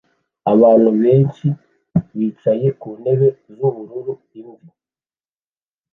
Abantu benshi bicaye ku ntebe z'ubururu-imvi